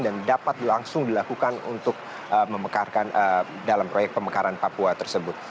dapat langsung dilakukan untuk memekarkan dalam proyek pemekaran papua tersebut